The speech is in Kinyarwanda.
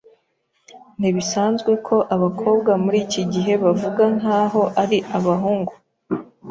Ntibisanzwe ko abakobwa muri iki gihe bavuga nkaho ari abahungu.